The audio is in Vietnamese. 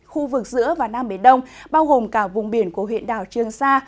khu vực giữa và nam biển đông bao gồm cả vùng biển của huyện đảo trương sa